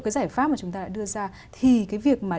cái giải pháp mà chúng ta đã đưa ra thì cái việc mà